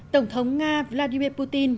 tổng thống nga vladimir putin